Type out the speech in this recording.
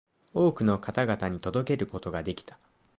多くの方々に届けることができた